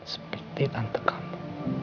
seperti tante kamu